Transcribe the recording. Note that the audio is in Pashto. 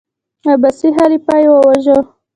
عباسي خلیفه یې وواژه.